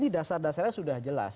nah ini dasar dasarnya sudah jelas